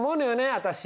私。